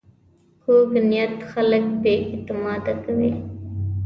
کوږ نیت خلک بې اعتماده کوي